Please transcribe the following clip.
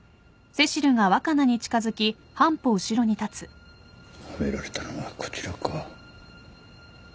はめられたのはこちらか。